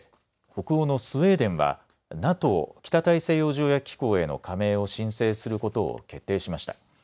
北欧のスウェーデンはＮＡＴＯ・北大西洋条約機構への加盟を申請することを決定しました。